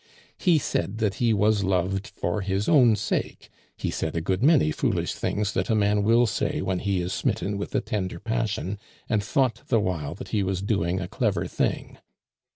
He said that he was loved for his own sake; he said a good many foolish things that a man will say when he is smitten with a tender passion, and thought the while that he was doing a clever thing.